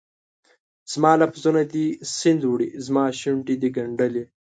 زما لفظونه دي سیند وړي، زماشونډې دي ګنډلي